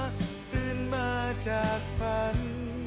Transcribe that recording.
ตื่นมาจากฝัน